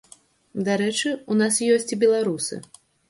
Дарэчы, у нас ёсць і беларусы.